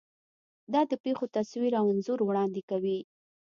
دا د پېښو تصویر او انځور وړاندې کوي.